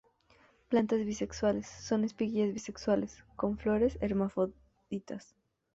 Plantas bisexuales, con espiguillas bisexuales; con flores hermafroditas.